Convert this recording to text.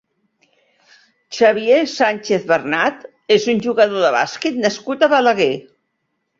Xavier Sánchez Bernat és un jugador de bàsquet nascut a Balaguer.